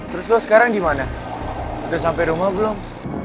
terus lu sekarang dimana udah sampe rumah belum